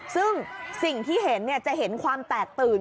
ซึ่งสิ่งที่เห็นจะเห็นความแตกตื่น